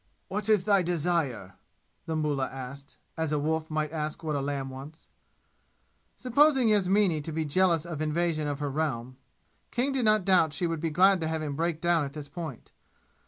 "What is thy desire?" the mullah asked as a wolf might ask what a lamb wants. Supposing Yasmini to be jealous of invasion of her realm, King did not doubt she would be glad to have him break down at this point.